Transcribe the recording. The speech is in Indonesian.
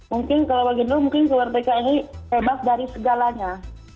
mungkin kalau bagi nurul kemerdekaan ini bebas dari segalanya